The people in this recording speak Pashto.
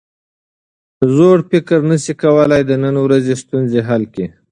زوړ فکر نسي کولای د نن ورځې ستونزې حل کړي.